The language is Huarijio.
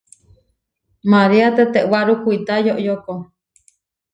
Maria tetewáru kuitá yoyóko.